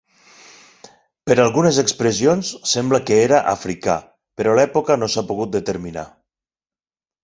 Per algunes expressions sembla que era africà però l'època no s'ha pogut determinar.